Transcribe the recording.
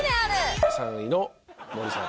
３位の森さん。